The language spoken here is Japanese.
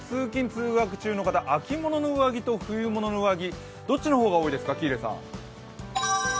通学中の方、秋物の上着と冬物の上着どっちの方が多いですか喜入さん？